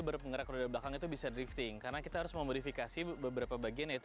bergerak roda belakang itu bisa drifting karena kita harus memodifikasi beberapa bagian yaitu